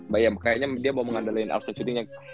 bayang kayaknya dia mau mengandalkan outset shootingnya